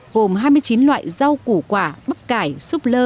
gồm hai mươi chín loại rau củ quả bắp cải súp lơ